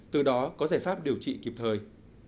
từ đó có giải pháp điều trị kịp thời